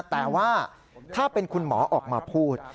แต่ว่าถ้าเป็นคุณหมอออกมาพูด